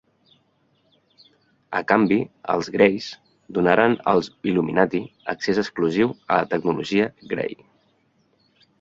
A canvi, els Greys donarien als Illuminati accés exclusiu a la tecnologia Gray.